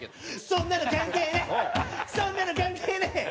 そんなの関係ねえ！